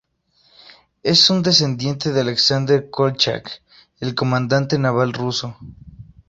Es un descendiente de Alexander Kolchak, el comandante naval ruso.